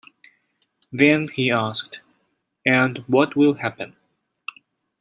Then he asked: "And what will happen?"